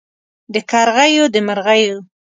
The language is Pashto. د کرغیو د مرغیو